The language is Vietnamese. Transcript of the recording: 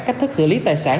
cách thức xử lý tài sản